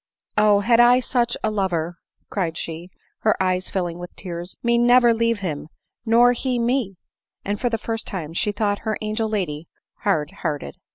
" Oh ! had I had such a lover," cried she, (her eyes filling with tears,) " me never leave him, nor be me !" and tor the first time she thought her angel lady hard hearted.